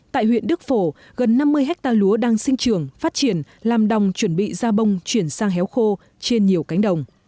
tại huyện đức phổ gần năm mươi hectare lúa đang sinh trường phát triển làm đồng chuẩn bị ra bông chuyển sang héo khô trên nhiều cánh đồng